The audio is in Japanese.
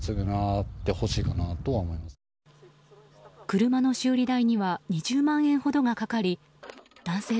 車の修理代には２０万円ほどがかかり男性